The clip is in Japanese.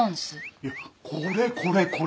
いやこれこれこれ！